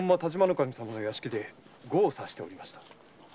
守様の屋敷で碁を指しておりました。